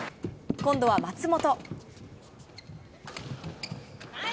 今度は松本。